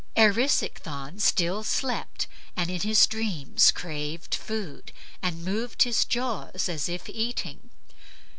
Erisichthon still slept, and in his dreams craved food, and moved his jaws as if eating.